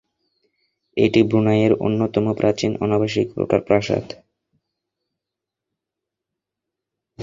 এটি ব্রুনাইয়ের অন্যতম প্রাচীন অনাবাসিক প্রাসাদ।